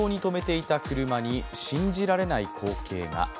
駐車場に止めていた車に信じられない光景が。